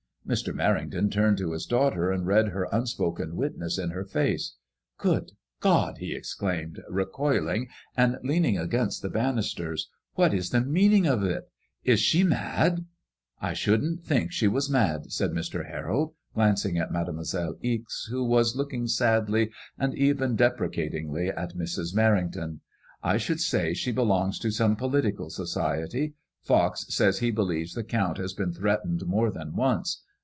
Mr. Merrington turned to his daughter and read her unspoken witness in her face. ^'Good God I'* he exclaimed, recoiling and leaning against the banis ters, '^what is the meaning of it ; is she mad ?" ''I shouldn't think she was mad," said Mr. Harold, glancing at Mademoiselle Ixe, who was looking sadly and even depre catingly at Mrs. Merrington. ^'I should say she belongs to some political society. Pox says he believes the Count has been threatened more than once.